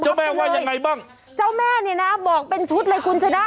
แม่ว่ายังไงบ้างเจ้าแม่เนี่ยนะบอกเป็นชุดเลยคุณชนะ